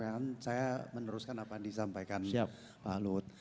saya ingin meneruskan apa yang disampaikan pak luhut